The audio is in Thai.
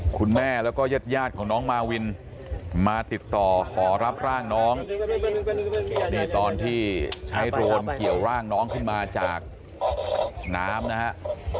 คุณแม่แล้วก็ญาติของน้องมาวินมาติดต่อขอรับร่างน้องนี่ตอนที่ใช้โดรนเกี่ยวร่างน้องขึ้นมาจากน้ำนะฮะ